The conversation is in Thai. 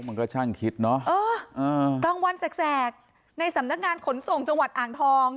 มันก็ช่างคิดเนอะเออกลางวันแสกในสำนักงานขนส่งจังหวัดอ่างทอง